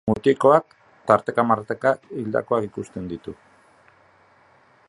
Mutikoak tarteka-marteka hildakoak ikusten ditu.